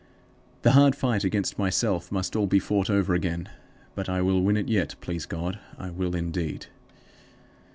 The hard fight against myself must all be fought over again; but I will win it yet, please God; I will, indeed.